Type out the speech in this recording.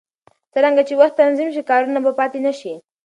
څرنګه چې وخت تنظیم شي، کارونه به پاتې نه شي.